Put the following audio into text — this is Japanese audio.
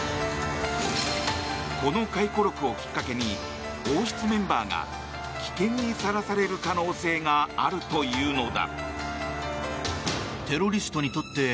この回顧録をきっかけに王室メンバーが危険にさらされる可能性があるというのだ。